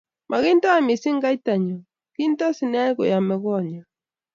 makinto mising kaita nyu, kinto sinen koyamei Koot nyu